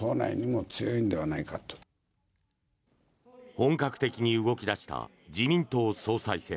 本格的に動き出した自民党総裁選。